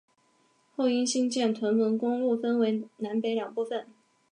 后因兴建屯门公路分为南北两部份。